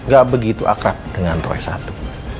gak begitu akrab dengan roy satu